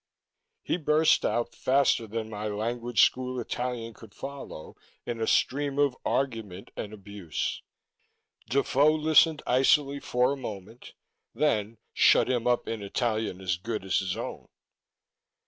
He burst out, faster than my language school Italian could follow, in a stream of argument and abuse. Defoe listened icily for a moment, then shut him up in Italian as good as his own.